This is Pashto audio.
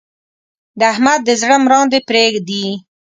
د احمد د زړه مراندې پرې دي.